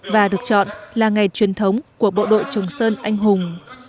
và được chọn là ngày truyền thống của bộ đội trường sơn anh hùng